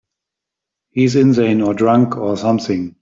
He's insane or drunk or something.